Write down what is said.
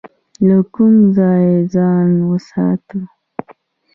له کوم ځای ځان وساتم؟